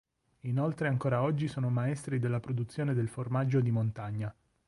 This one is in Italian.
Inoltre ancora oggi sono maestri nella produzione del formaggio di montagna.